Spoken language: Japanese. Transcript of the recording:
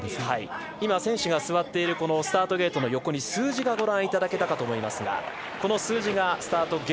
選手が座っているスタートゲートの横に数字がご覧いただけたかと思いますがこの数字がスタート